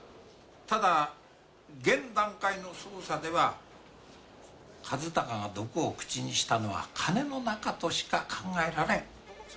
ただ現段階の捜査では和鷹が毒を口にしたのは鐘の中としか考えられん。